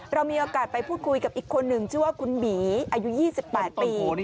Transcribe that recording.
เรามีโอกาสไปพูดคุยกับอีกคนหนึ่งชื่อว่าคุณหมีอายุ๒๘ปี